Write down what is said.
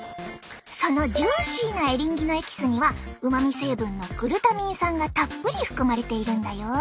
そのジューシーなエリンギのエキスにはうまみ成分のグルタミン酸がたっぷり含まれているんだよ。